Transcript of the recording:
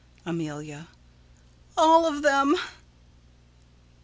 Amelia: All of them.